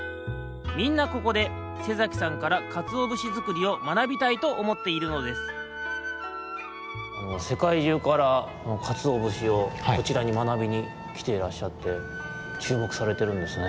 みんなここで瀬崎さんからかつおぶしづくりをまなびたいとおもっているのですせかいじゅうからかつおぶしをこちらにまなびにきてらっしゃってちゅうもくされてるんですね。